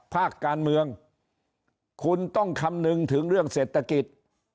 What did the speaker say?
ภาคการเมืองคุณต้องคำนึงถึงเรื่องเศรษฐกิจ